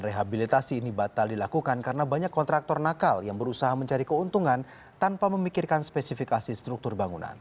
dan rehabilitasi ini batal dilakukan karena banyak kontraktor nakal yang berusaha mencari keuntungan tanpa memikirkan spesifikasi struktur bangunan